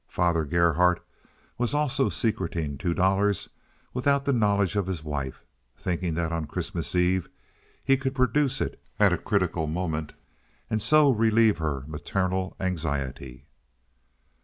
Father Gerhardt was also secreting two dollars without the knowledge of his wife, thinking that on Christmas Eve he could produce it at a critical moment, and so relieve her maternal anxiety.